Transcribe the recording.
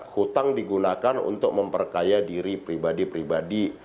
hutang digunakan untuk memperkaya diri pribadi pribadi